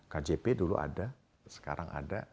kjp dulu ada sekarang ada